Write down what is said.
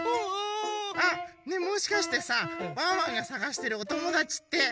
あ！ねえもしかしてさワンワンがさがしてるおともだちって。